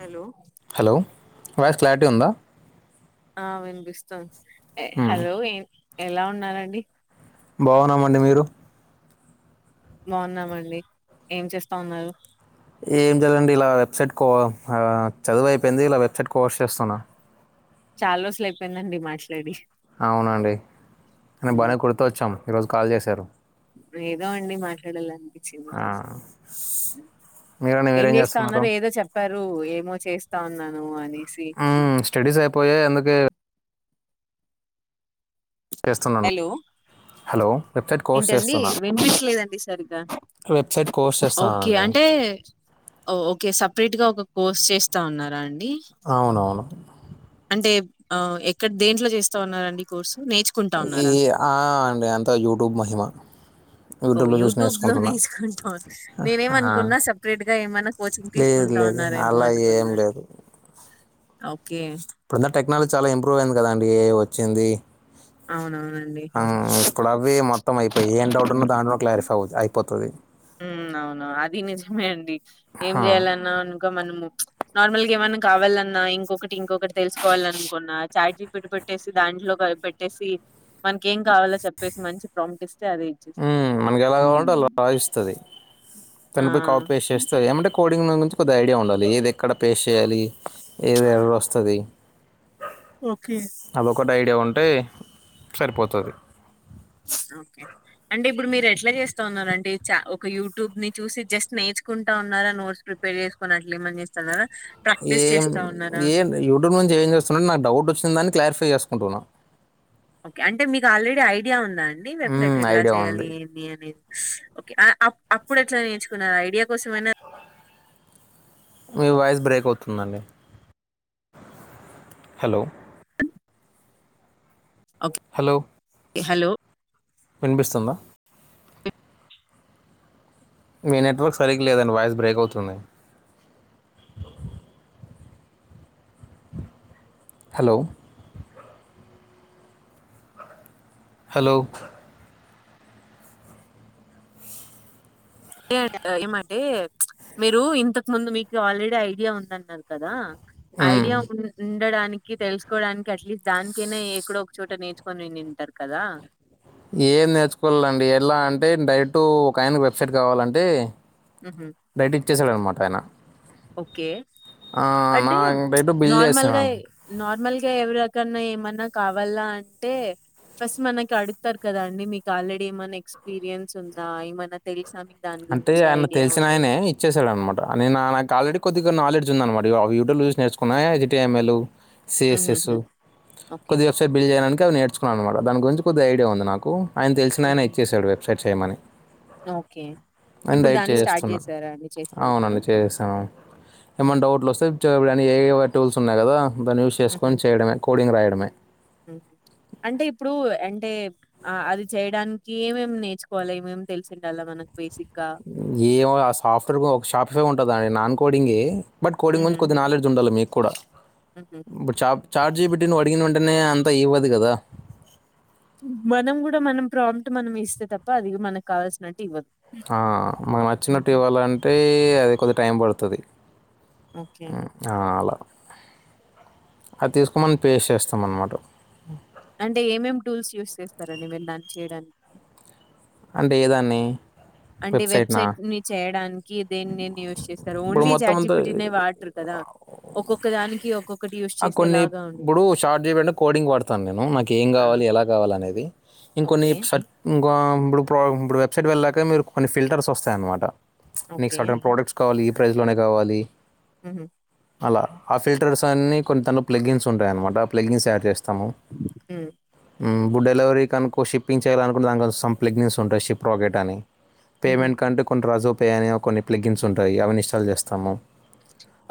Hello hello voice clarity ఉందా ఆ వినిపిస్తాంది. మ్మ్. హలో ఏం ఎలా ఉన్నారండి. బాగున్నామండి మీరు బాగున్నామండి ఏం చేస్తా ఉన్నారు. ఏం చేయలేదండి ఇలా వెబ్సైట్ కో హా చదువయిపోయింది ఇలా వెబ్సైట్ కోర్స్ చేస్తున్నా చాల్ రోజులు అయిపోయిందండి మాట్లాడి. అవునండి నే బానే కుడ్తా వచ్చాం ఈరోజు కాల్ చేశారు ఏదో అండి మాట్లాడాలని పిచ్చింది ఆ, చేశా [inaudible] మీరండి ఏం మీరేం చేస్తా చేస్తున్నారు ఉన్నారు ఏదో చెప్పారు ఏమో చేస్ తా ఉన్నాను అని ఉమ్మ్ స్టడీస్ అయిపోయాయి అందుకే చేస్తున్నాను హలో హలో వెబ్సైట్ కోర్స్ ఏంటండి చేస్తున్నా వినిపీట్లేదండి సరిగ్గా వెబ్సైట్ కోర్స్ ఓకే చేస్తున్నానండి అంటే ఓకే సప్ ప్రేట్ గా ఒక కోర్స్ చేస్తా ఉన్నారా అన్ డి అవునవును అంటే ఆ ఎక్కడ దేంట్లో చేస్తా ఉన్నారండి కోర్సు నే ఈ ఆ అండి అంతా యూట్యూబ్ మహిమ ఓ యూట్యూబ్లో చూసి యూట్యూబ్ లో నేర్చుకుంటున్నా నేర్చుకుంటా ఆ, నేనేమనుకున్నా సపరేట్ గా ఏమైనా కోచింగ్ లేదు తీసుకుంటా లేదు ఉన్నారేమో అలా ఏం అనుకున్నా లేదు ఓకే ఇప్పుడున్న టెక్నాలజీ చాలా ఇంప్రూవ్ అయింది కదండి ఏ ఐ వచ్చింది అవునా ఆ ఇక్కుడవి మొత్తం అయిపోయి ఏం డౌట్ ఉన్న దాంట్లోలో క్లారిఫై అవు అయిపోతాది నండి ఏం చేయాలన్నా అనుకో మనము నార్మల్ గా ఏమైన్నా కావాలన్నా ఇంకొకటి ఇంకొకటి తెలుసుకోవాలనుకున్నా చాట్ జీపీటి కోట్టేసి దాంట్లోకి అవి పె ట్టేసి మనకేం కావాలో చెప్పేసి మంచి ప్రాంటిస్ మ్ మనకి ఎలా కావాలంటే అలా రావిస్తది ఆ దాన్నిపోయి కాపి పేస్ట్ చేస్తే ఏమంటే కోడింగ్ దాని గురించి కొద్దిగా ఐడియా ఉండాలి ఏది ఎక్కడ పేస్ట్ చేయాలి ఏది ఎర్రర్ వస్తది ఓకే క్కటి ఐడియా ఉంటే సరిపోతాది ఓకే అంటే ఇప్పుడు మీరు ఎట్లా చేస్తా ఉన్నారంటే చ ఒక యూట్యూబ్ ని చూసి జస్ట్ నేర్చుకుంటా ఉన్నారా నోట్స్ ప్రిపేర్ జేసుకొని అట్లా ఏమన్నా చేస్తన్నారా ప్రాక్టీస్ ఏం చేస్తా ఉన్నారా ఏం యూట్యూబ్ నుంచి ఏం చేస్తున్న నాకు డౌట్ వచ్చింది దాన్ని క్లారిఫై చేస్ కుంటున్న ఓకే అంటే మీకు ఆల్రెడీ ఐడియా ఉన్ దా అండి వెబ్సైట్ మ్మ్, ఎలా ఐడియా చేయాలి ఉంది ఏంది అనేది స్ ఓకే ఆ అప్ అప్పుడు ఎట్లా నేర్చుకున్నారు ఐడియా కోసమేనా మీ వాయిస్ బ్రేక్ అవుతుందండి హలో హలో ఇ హలో వినిపిస్తుందా మీ నెట్వర్క్ సరిగ్గా లేదండి వాయిస్ బ్రేక్ అవుతుంది హలో హలో [inaudible] ఏమంటే మీరు ఇంతకు ముందు మీకు ఆల్రెడీ ఐడియా ఉందన్నారు కదా. మ్మ్. ఐడియా డడానికి తెలుసుకోడానికి అట్లీస్ట్ దానికైనా ఏ ఎక్కడో ఒక చోట నేర్చుకొని విని ఉంటారు కదా. ఏం నేర్చుకోవాల్నండీ ఎలా అంటే డైరెక్టూ ఒక ఆయనకి వెబ్సైట్ కావాలంటే. మ్హూ. డైరెట్ ఇచ్చెసాడన్నమాట్ తన ఓకే ఆ అంటే నాయి డైటు బిల్ చేస్తునా. ఇంకా ఎవరికన్నా ఏమన్నా కావాలా అంటే ఫస్ట్ మనకి అడుగుతారు కదా అండి మీకు ఆల్రెడీ ఏమన్నా ఎక్స్పీరియన్స్ ఉందా ఏమన్నా తెలుసా మీ అంటే ఆయన తెల్సిన ఆయనే ఇచ్చేసాడు అనమాట నేనానయ్ ఆల్రెడీ కొద్దిగా నాలడ్జ్ ఉందన్నమాట, యు యూట్యూబ్ లో చూసి నేర్చుకున్నా ఇహ H T M L. C S హుహుహు. S, okay. కొద్ది వెబ్సైట్ బిల్ చెయడానికి. అవి నేర్చుకున్నా అన్నమాట, దాని గురించి కొద్దిగా ఐడియా ఉంది నాకూ. ఆయన తెలిసినాయన హుహు. ఇచ్చేసాడు వె సెట్ చేయమనీ. ఓకే. ఇప్పుడు అండైట్ దాన్ని స్టార్ట్ చేస్తున్నా చేసారా అండి చేసేది మీరు? అవునండి చేహేసాం ఏమైన హుహు. డౌట్లు ఒస్తే చ ఏఐ ఏవో టూల్స్ ఉన్నాయి కదా. దాన్పి యూస్ హుహు. చేసుకొని చేయడమే కోడింగ్ రాయడమే. హుహు. అంటే ఇప్పుడు అంటే ఆ అది చేయడానికి ఏమేం నేర్చుకోవాలె ఏమేం తెల్సిండాల మనకు బేసిక్ ఏవో ఆ సాఫ్ట్ వేర్ కు ఒక షాఫ్వె ఉంటదాయె నాన్ కొ కోడింగే బట్ కోడింగ్ హుహు. గురించి కొద్ది నాలెడ్జ్ ఉండాలి మీ కూడా హుహు. బచాప్ చాట్ జీపిటి నువ్వడిగిన వెంటనే అంతా ఇవ్వదు కదా. మనం గూడా మనం ప్రాంప్ట్ మనం ఇస్తే తప్ప అది మనకు కావల్సినట్టు ఇవ్వదు. ఆ మాకు నచ్చినట్టు హుహు. ఇవ్వాలంటే అది కొది టైం పడతది. ఓకే. ఆ అలా అది తీసుకు మనం పేస్ట్ చేస్తాం అన్నమాట. అంటే ఏమేం టూల్స్ యూస్ చేస్తారండి మీరు దాన్ని చేయడానికి? అంటే ఏదాన్ని? అంటే వెబ్సైట్ ని చేయడానికి దేన్ని దేన్ని యూస్ చేస్తారు? ఇప్పుడు ఓన్లీ మొత్తం చాట్ జీపిటీనే అంతా వాడరు కదా ఒక్కొక్కదానికి ఒక్కొక్కటి యూస్ ఆ కొన్ని చేసేలాగా ఉండె. ఇప్పుడు షార్ట్ చేయడానికి కోడింగ్ వాడతాను నేను నాకు ఏం ఆ కావాలి ఎలా కావాలి అనేది ఇంకొన్ని ఓకే [unintelligible] [unintelligible] ఇప్పుడు వెబ్సైట్ వెళ్లాక మీరు కొన్ని ఫిల్టర్స్ వస్తాయి అన్నమాట. Next okay. అటన్ ప్రోడక్ట్స్ కావాలి. ప్రైజ్లోనే కావాలి. ఉహు అలా ఆ ఫిల్టర్స్ అన్ని కొంత ప్లగ్గిన్స్ ఉంటాయి అనమాట ప్లగ్గిన్స్ తయడ్ చేస్త స్తాము. హ్మ్. ఉమ్ ఇప్పుడు డెలివరీ అనుకో షిప్పింగ్ చేయాలనుకుంట దాన్ కోసం. ప్లగ్గిన్స్ ఉంటాయి షిప్ రకెట్ అని, హుహు. పేమెంట్ కంటే కొన్ని రజు పే అనే కొన్ని ప్లగ్గిమ్స్ ఉంటాయి. అవన్నీ ఇస్టల్ చేస్తాము.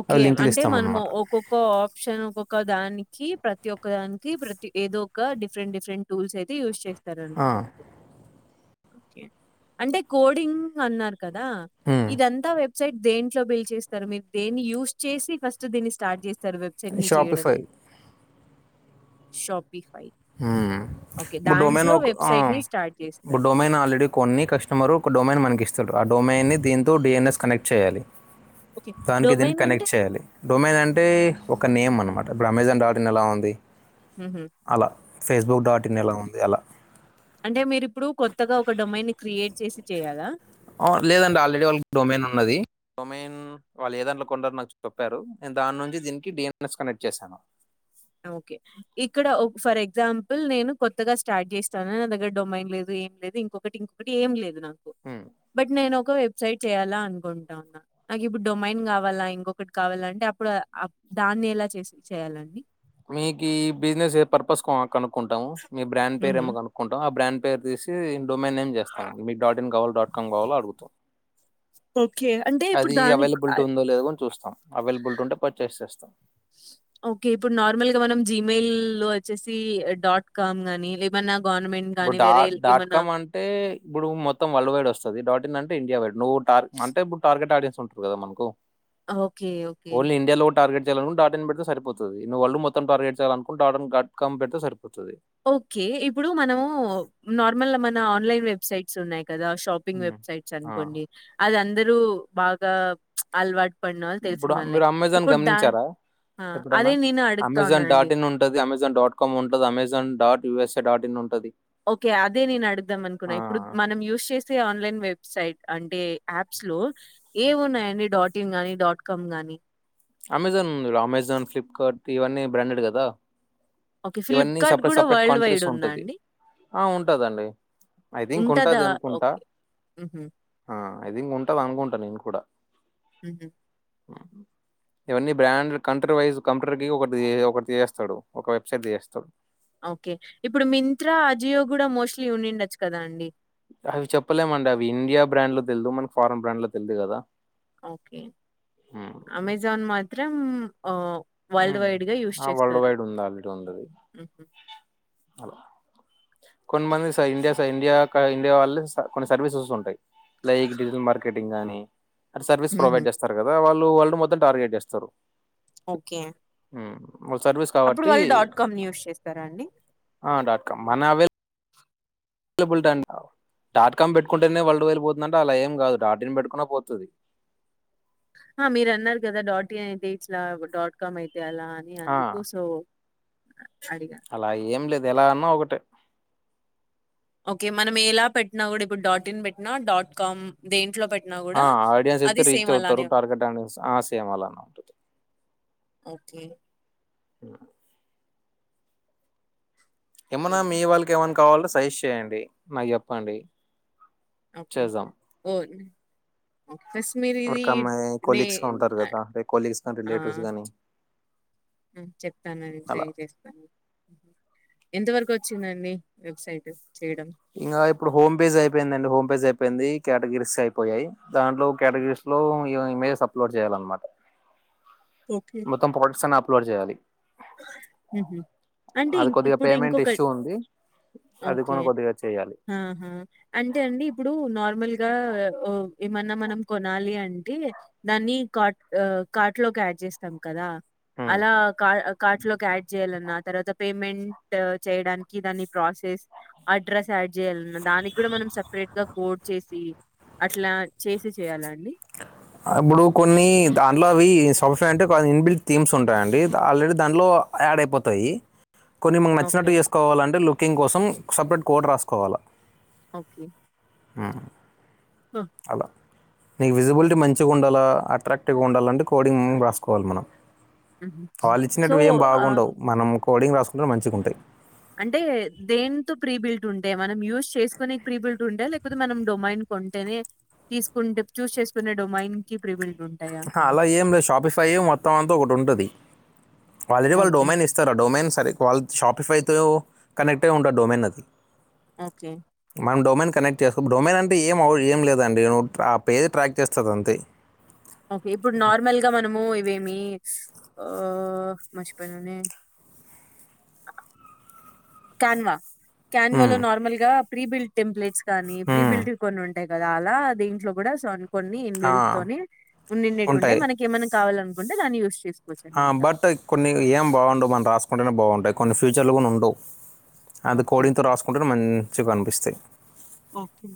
ఓకే అవి లింకులు అంటే ఇస్తాం మనము అన్నమాట ఒక్కొక్క ఆప్షన్ ఒక్కొక్క దానికి, ప్రతి ఒక్క దానికి ప్రతి ఏదో ఒక డిఫరెంట్ డిఫరెంట్ టూల్స్ అయితే యూజ్ చేస్తా తరు. ఓకే అంటే కోడింగ్ అన్నారు. కదా ఇదంతా వె సైట్ దేంట్లో బిల్ చేస్తారు మీరు దేన్ని యూజ్ చేసి ఫస్ట్ దీన్ని స్టార్ట్ చేసి ర్ వెబ్సైట్ ని చేయడం. షాపిఫై షబ్ ఉమ్ ఇప్పుడు డోమైన్ దాంట్లో ఆ ఒక వెబ్‌సైట్‌ని స్టార్ట్ ఇప్పుడు జేస్తారు. డొమైన్ ఆల్రెడీ కొన్ని కస్టమర్ ఒక డొమైన్ మనకి ఇస్తాడు. ఆ డొమైన్ని దీంతో డిఎన్ఎస్ కనెక్ట్ చేయాలి. ఓకే. దానికి దీన్ని డొమైన్ అంటే కనెక్ట్ చేయాలి. డొమైన్ అంటే ఒక నేమ్ అనమాట. ఇప్పుడు అమెజాన్ డాట్ని ఎలా ఉంది. ఉహు అలా ఫేస్బుక్ డాట్ ఇన్ ఎలా ఉంది అలా అంటే మీరిప్పుడు కొత్తగా ఒక డొమైన్ క్రియేట్ చేసి చేయాలా. లేదండి ఆల్రెడీ వాళ్ళకి డొమైన్ ఉన్నది. డొమైన్ వాళ్ళు ఏదంలో కొండరు నాకు చెప్పారు నేను దాని నుంచి దీనికి డిఎన్ఎస్ కనెక్ట్ చేశాను. ఓకే ఇక్కడ ఫర్ ఎగ్జాంపుల్ నేను కొత్తగా స్టార్ట్ చేస్తాను. నా దగ్గర డొమ్మాం లేదు ఏం లేదు ఇంకొకటి ఇంకొకటి ఏం లేదు నాకు హ్మ్. బట్ నేను ఒక సైడ్ చేయ్యాలా అనుకుంటా ఉన్నా నాకు ఇప్పుడు డొమైన్ కావాలా ఇంకొకటి కావాలా అంటే అప్పుడు దాన్ని ఎలా చేసి చేయాలండి. మీ బిజనేస్ పర్పస్ కా. కనుకుంటా మీ బ్రాండ్ పేరు హుహు. ఏమో అనుకుంటాం ఆ బ్రాండ్ పేర్ తీసి మేన్ ఏం చేస్తాం మీకు డాట్ ఇన్ గవల్ డాట్ కామ్ కావాల అడుగుతాం. ఓకే. అంటే ఇప్పుడు అది దానికి అవైలబిలిటీ ఆహ్, ఉందో లేదుకని చూస్తాం అవైలబిలిటీ ఉంటే పర్చేస్ చేస్తాం. ఓకే. ఇప్పుడు నార్మల్‌గా మనం జిమెయిల్ లో వచ్చేసి డాట్ కామ్ గానీ లేదా ఏమన్నా గవర్నమెంట్ ప్పుడు గాని వేరే డాట్ ఏమన్నా డాట్కామ్ అంటే ఇప్పుడు మొత్తం వరల్డ్ వైడ్ వస్తది, డాట్ ఇన్ అం టే ఇండియా వైడ్ నువ్ టార్ అంటే ఇప్పుడు టార్గెట్ యాడ్ కుంటరు కదా మనకు. ఓకే ఓకే ఓన్లీ ఇండియాలో టార్గెట్ చేయాలనుకుంటే డాట్ ఇన్ పెడితే సరిపోతది. నువ్వు వరల్డ్ మొత్తం టార్గెట్ చేయాలనుకుంటే డాటాన్ డాట్ కం పెడితే సరి ఓకే ఇప్పుడు మనము నార్మల్ మన ఆన్లైన్ వెబ్సైట్స్ ఉన్నాయి కదా షాపింగ్ హ్మ్. వెబ్సైట్స్ ఆ! అనుకోండి అది అందర్ రు బాగా ప్చ్ అలవా ఇప్పుడు మీరు అమెజాన్ గమనించారా? ఆ! ఎప్పుడన్నా అదే నేను అడుగుతా అమెజాన్ ఉన్నానండి. డాట్ ఇన్ ఉంటది, అమెజాన్ డాట్ కామ్ ఉంటది, Amazon dot U S A dot in ఉంటది. ఓకే అదే నేను అడుద్దాం ఆ అనుకున్నా, ఇప్పుడు మనం యూజ్ చేసే ఆన్లైన్ వెబ్ సైట్ అంటే యాప్స్ లో ఏమి ఉన్నాయండి డాట్ ఇన్ గానీ, డాట్ కామ్ గానీ, అమెజాన్ ఉందిగా! అమెజాన్, ఫ్లిప్కార్ట్ ఇవన్నీ బ్రాండెడ్ కదా. ఓకే. ఇవన్నీ ఫ్లిప్‌కార్ట్ సపరేట్ గూడా సపరేట్ వరల్డ్ కాంట్రీస్ వైడ్ ఉందా ఉంటది. అండి? ఆ ఉంటదండి ఐ థింక్ ఉంటదా? ఉంటది అనుకుంటా! ఓకే. హుహు. ఆ ఐ థింక్ ఉంటది అనుకుంటా నేను కూడా! హ్మ్ హు మ్ ఇవన్నీ బ్రాండ్ కంట్రీ వైజ్ కంప్యూటర్ కి ఒకటి ఒక తీయేస్తడు ఒక వెబ్సైట్ తీయేస్తడు. ఓకే ఇప్పుడు మింత్రా అజియో కూడా మోస్ట్లీ ఉనిండొచ్చు కదా అండి! అవి చెప్పలేమండి అవి ఇండియా బ్రాండ్ లో తెల్దు మనకి ఫారన్ బ్రాండ్ లో తెల్దు కదా. ఓకే హ్మ్ అమెజాన్ మాత్రం ఆఁ మ్ ఆ వరల్డ్ వైడ్ ఉండాలి హుహు. [unintelligible] అలా కొన్నిమంది స ఇండియా స ఇండియా ఇండియా కా వాళ్ళే కొన్ని సర్వీసెస్ ఉంటయి. లైక్ డిజిటల్ మార్కెటింగ్ గానీ, అటు సర్వీస్ హుహు. ప్రొవైడ్ చేస్తరు కదా వాళ్ళ్ లో వరల్డ్ మొత్తం టార్గెట్ చేస్తారు. ఓకే హ్మ్ అప్పుడు వాళ్ళు డాట్ కామ్ యూస్ చేస్తారా అండి? కా మన అవైల్ లబులిటం డాట్ కామ్ పెట్టుకుంటేనే వల్డ్ వెళ్ళిపోతుందంటే అలా ఏం కాదు డాట్ ఇన్ పెట్టుకున్న పోతది. ఆ మీరు అన్నారు కదా డాట్ ఏ అయతే ఇట్లా, డాట్ కామ్ అయి తే అలా అని ఆ అందుకు సో అడిగా. అలా ఏం లేదు ఎలా అన్నా ఒకటే ఓకే మనం ఎలా పెట్టినా కూడా ఇప్పుడు డాట్ ఇన్ పెట్టినా డాట్ కామ్ దేంట్లో పెట్ ఆ ఆడియన్స్ అయితే రీచ్ అవుతారు ఉంటుంది. టార్గెట్ ఆడియన్స్ ఆ సేమ్ అలానే ఓకే. ఇ ఏమన్న మీ హ్మ్. వాళ్ళకేమన్ కావాలంటే సజెస్ట్ చేయండి నాకు చెప్పండి ఓకే. చేద్దాం ఓహ్! ఓకే. ఫస్ట్ మీరిది వరికి అమ్మాయి నే కోలీగ్స్ ఉంటారు ఆహ్, కదా మీ కోలీగ్స్ కానీ రిలేటివ్స్ గానీ ఆ చెప్తానండి ట్రై చేస్తాను ఎంత వరకు వచ్చిందండి వెబ్సైట్ చేయడం? ఇగా ఇప్పుడు హో పేజ్ అయిపోయింద అండి హో పేజ్ అయి పోయింది కేటగిరీస్ అయిపోయాయి దాంట్లో కేటగిరీస్ లో ఇమేజ్ అప్లోడ్ చేయాలన్నమాట ఓకే. మొత్తం పోర్ట్స్ అన్ ప్ లోడ్ చేయాలి హుహు. అంటే అది ఇం కొద్దిగా ఇప్పుడు పేమెంట్ ఇంకొక ఇష్యూ ఉంది అది ఓకే. కూడా కొద్దిగా చేయాలి ఆహా అంటే అండి ఇప్పుడు నార్మల్ గా ఏమన్నా మనం కొనాలి అంటే దాన్ని కాట్ కాట్ లో కి ఆడ్ చేస్తాం కదా ఉమ్. అలా కా కార్ట్ లోకి యాడ్ చేయాలన్నా తర్వాత పేమెంట్ చేయడాన్ కి దాన్ని ప్రాసెస్ అడ్రస్ యాడ్ చేయాలన్నా దానికి కూడా మనం సపరేట్ గా కోడ్ చేసి అట్లా చేసి చేయాల అండి ఇప్పుడు కొన్ని దాంట్లో అవి సాఫ్ట్వేర్ అంటే కొ ఇన్బిల్ట్ థీమ్స్ ఉంటాయండి ఆల్రెడీ దాంట్లో యాడ్ అయిపోతాయి కొన్ని మకు ఓకే. నచ్చినట్టు చేసుకోవాలంటే లుక్ కింగ్ కోసం సపరేట్ కోడ్ రాసుకోవాల ఓకే హు ఆ! అలా నీ విజిబుల్టీ మంచిగుండాలా అట్రాక్టివ్ గా ఉండాలంటే క్ కోడింగ్ రాసుకోవాలి మనం హుహు. వాళ్ళు సో ఇచ్చినట్టువి ఏం ఆ బాగుండవు మనం కోడింగ్ రాసుకుంటే మంచిగుంటాయి అంటే దేంతో ప్రీబిల్ట్ ఉంటే మనం యూజ్ చేసుకునే ప్రీబిల్ట్ ఉండే లేకపోతే మనం డొమైన్ కొంటేనే తీసుకుంటే చూజ్ చేసుకునే డొమైన్ కి ప్రీబిల్ అహ అలా ఏం లేదు షాపిఫ్లయ్ మొత్తం అంతా ఒకటి ఉంటది వాళ్ళదీ వాళ్ళు ఓకే. డొమైన్ ఇస్తారా ఆ డొమైన్ సరే వాళ్ళ షాప్లిఫై తో కనెక్ట అయ్యో ఉంటది డోమైన్ అది ఓకే మనం డొమైన్ కనెక్ట్ చేసుకో డొమైన్ అంటే ఏం ఏం లేదండి నువ్వు ఆ పేద ట్రాక్ చేస్తుంది అంతే ఓకే ఇప్పుడు నార్మల్ గా మనము ఇవేమి ఆ మంచిపనిని కన్వ క్యాన్ వల్ల ఉమ్, నార్మల్ గా ప్రీబిల్ట్ టెప్ట్ కానీ ఉమ్, ప్రీబిల్డ్ంగ్ కొన్ని ఉంటా అంటే కదా అలా దీంట్లో కూడా స్ కొన్ని ఆ, బల్తోని ఉండిండిటు ఉంటే మనక ఏమైన్నా కావాలినుకు వునదన వుని యి చేసుకు నా యచస్త ఆ బట్ కొన్ని ఏం బాగుండువు మనం రాసు అంటనే బాగుంటాయి కొన్ని ఫ్యూచర్లు కూడా ఉండవు అది ఓకే. కోడితో రాసుకుంటు మని మచ్చుగా కనిపిస్తాయి ఓకే.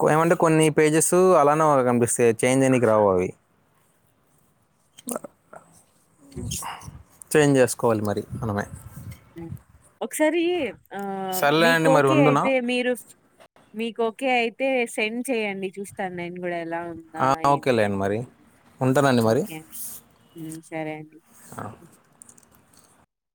కో ఏమంటే కొన్ని పేజెస్ అలా కనిపిస్తాయి ఇంటు చేంజ్ అనికి రావు యి బ హ్మ్. అ చేంజ్ చేసుకోవాలి మరి మనమే హ ఒకసారి ఆ సర్లే మీకు అండి మరి ఓకే ఉండునా అయితే మీరు మీకు ఓకే అయితే సెండ్ చేయండి చూస్తాను నేను కూడా ఎలా ఉందా ఆ, ఏమి ఓకేలే అండి మరి అనేసి ఉంటానండి మరి ఓకే అండి యూ సరే అండి